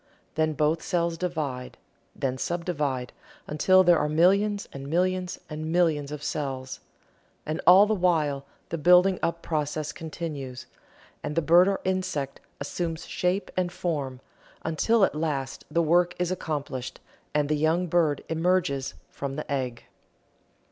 Then both cells divide then subdivide until there are millions and millions and millions of cells. And all the while the building up process continues, and the bird or insect assumes shape and form, until at last the work is accomplished and the young bird emerges from the egg.